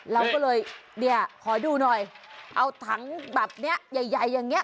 เราก็เลยเนี่ยขอดูหน่อยเอาถังแบบนี้ใหญ่อย่างนี้